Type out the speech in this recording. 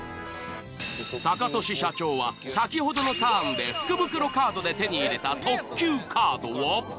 タカトシ社長は先ほどのターンで福袋カードで手に入れた特急カードを。